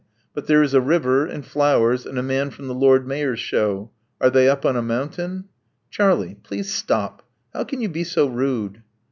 But there is a river, and flowers, and a man from the Lord Mayor's show. Are they up on a mountain?" Charlie, please stop. How can you be so rude?"